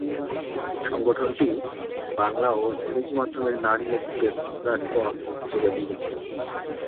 সংগঠনটি বাংলা ও ইংরেজি মাধ্যমের নারী লেখকদের প্ল্যাটফর্ম হিসেবে বিবেচিত।